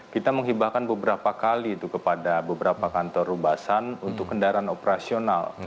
kita menghibahkan beberapa kali itu kepada beberapa kantor rubasan untuk kendaraan operasional